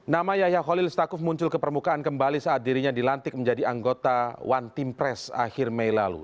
nama yahya holil stakuf muncul ke permukaan kembali saat dirinya dilantik menjadi anggota one team press akhir mei lalu